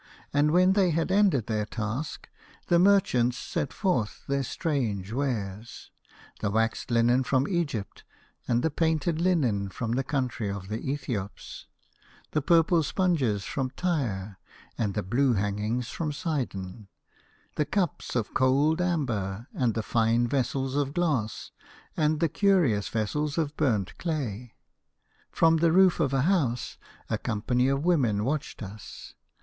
And when they had ended their task, the merchants set forth their strange wares, the waxed linen from Egypt and the painted 9i A House of Pomegranates. linen from the country of the Ethiops, the purple sponges from Tyre and the blue hang ings from Sidon, the cups of cold amber and the fine vessels of glass and the curious vessels of burnt clay. From the roof of a house a company of women watched us.